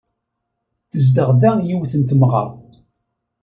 Tezdeɣ da yiwet n temɣart.